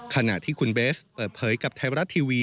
ขณะที่คุณเบสเปิดเผยกับไทยรัฐทีวี